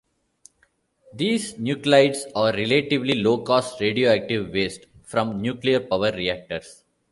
These nuclides are relatively low-cost radioactive waste from nuclear power reactors.